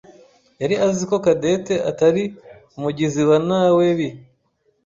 yari azi ko Cadette atari umugizi wa nawebi.